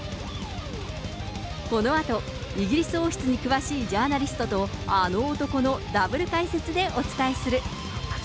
このあとイギリス王室に詳しいジャーナリストとあの男のダブル解説でお伝えする。